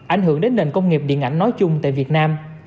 ảnh hưởng đến nền công nghiệp điện ảnh nói chung tại việt nam